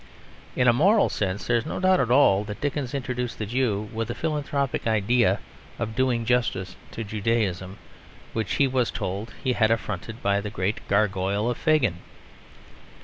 In a moral sense there is no doubt at all that Dickens introduced the Jew with a philanthropic idea of doing justice to Judaism, which he was told he had affronted by the great gargoyle of Fagin.